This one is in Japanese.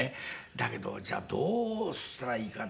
だけどじゃあどうしたらいいかって。